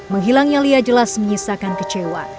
menghilangnya lia jelas menyisakan kecewa